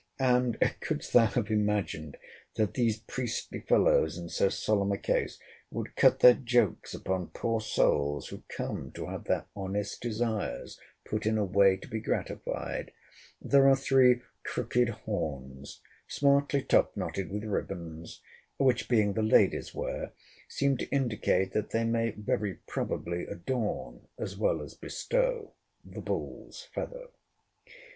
And [couldst thou have imagined that these priestly fellows, in so solemn a case, would cut their jokes upon poor souls who came to have their honest desires put in a way to be gratified;] there are three crooked horns, smartly top knotted with ribands; which being the ladies' wear, seem to indicate that they may very probably adorn, as well as bestow, the bull's feather.